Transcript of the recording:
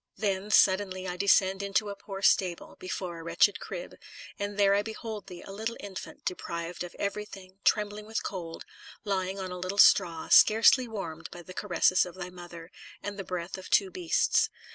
Then, suddenly, I descend into a poor stable, before a wretched crib, and there I behold thee, a little infant, deprived of every thing, trembling with cold, lying on a little straw, scarcely warmed by the caresses of thy Mother, and the breath of two beasts.